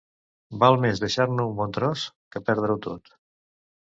Val més deixar-ne un bon tros que perdre-ho tot.